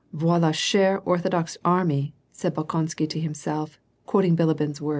" Voila U cher Orthodox army," said Bolkonsky to himself, quoting Bilibin's words.